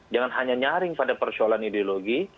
dan hanya nyaring pada persoalan ideologi